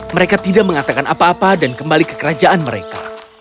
mereka tidak mengatakan apa apa dan kembali ke kerajaan mereka